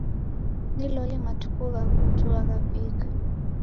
Ni loli, matuku gha kutua ghavika.